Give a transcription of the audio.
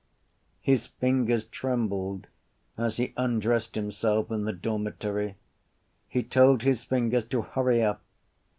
His fingers trembled as he undressed himself in the dormitory. He told his fingers to hurry up.